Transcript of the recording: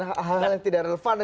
hal hal yang tidak relevan